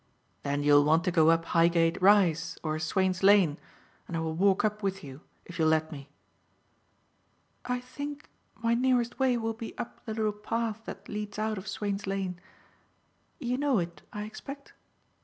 "Then you'll want to go up Highgate Rise or Swain's Lane; and I will walk up with you if you'll let me." "I think my nearest way will be up the little path that leads out of Swain's Lane. You know it, I expect?"